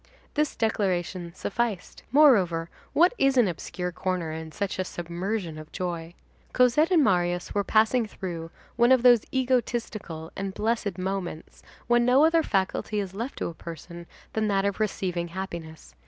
This declaration sufficed. Moreover, what is an obscure corner in such a submersion of joy? Cosette and Marius were passing through one of those egotistical and blessed moments when no other faculty is left to a person than that of receiving happiness.